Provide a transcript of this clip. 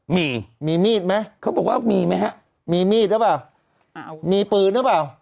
มีมีมีดไหมเขาบอกว่ามีไหมฮะมีมีดหรือเปล่ามีปืนหรือเปล่า